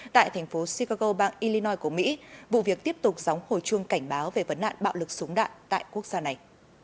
tại thành phố chicago bang illinois của mỹ vụ việc tiếp tục gióng hồi chuông cảnh báo về vấn nạn bạo lực súng đạn tại quốc gia này